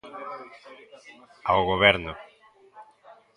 Ao Goberno.